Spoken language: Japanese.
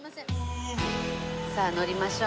さあ乗りましょう。